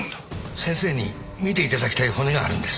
先生に見て頂きたい骨があるんです。